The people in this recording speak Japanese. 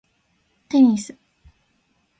テニス